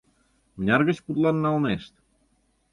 Мыняр гыч пудлан налнешт?